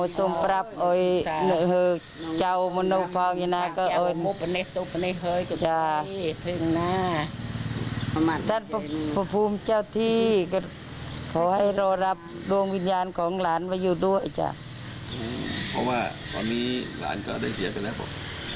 ท่านประภูมิเจ้าที่ขอให้รอรับดวงวิญญาณของหลานมาอยู่ด้วย